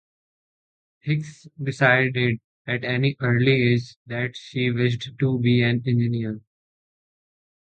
Hicks decided at an early age that she wished to be an engineer.